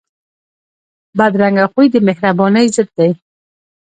بدرنګه خوی د مهربانۍ ضد دی